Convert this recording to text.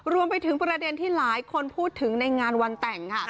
รวมไปถึงประเด็นที่หลายคนพูดถึงในงานวันแต่งค่ะ